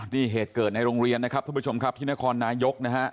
นี่เหตุเกิดในโรงเรียนนะครับทุกผู้ชมครับที่นครนายกนะฮะ